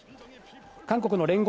韓国の聯合